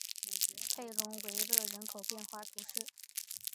佩龙维勒人口变化图示